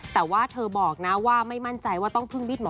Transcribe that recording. แต่ว่าเธอบอกนะว่าไม่มั่นใจว่าต้องพึ่งบิดหมอ